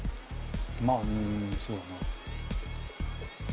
まあうんそうだな。